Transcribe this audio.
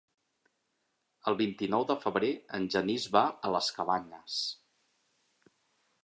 El vint-i-nou de febrer en Genís va a les Cabanyes.